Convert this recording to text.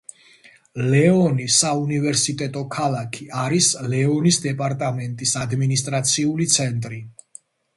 ლეონი, საუნივერსიტეტო ქალაქი, არის ლეონის დეპარტამენტის ადმინისტრაციული ცენტრი.